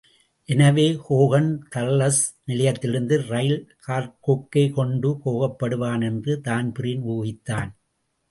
எனவே ஹோகன், தர்லஸ் நிலையத்திலிருந்து ரயிலில் கார்க்குக்கே கொண்டு போகப்படுவான் என்று தான்பிரீன் ஊகித்தான்.